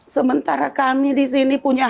sementara kami disini punya hati